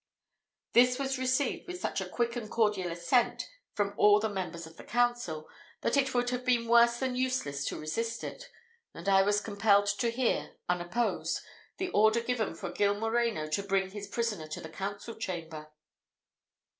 This was received with such a quick and cordial assent from all the members of the council, that it would have been worse than useless to resist it, and I was compelled to hear, unopposed, the order given for Gil Moreno to bring his prisoner to the council chamber.